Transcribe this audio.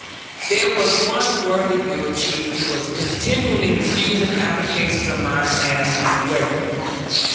There was one worthy bureau chief who was continually refusing applications of mine as irregular.